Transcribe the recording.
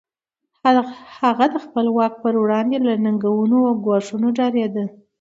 هغه د خپل واک پر وړاندې له ننګونو او ګواښونو ډارېده.